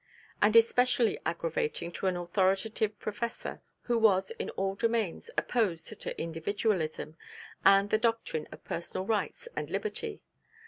And especially aggravating to an authoritative Professor, who was, in all domains, opposed to individualism, and the doctrine of personal rights and liberty.